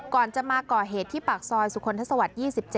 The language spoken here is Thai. ก่อนจะมาก่อเหตุที่ปากซอยสุคลทศวรรค๒๗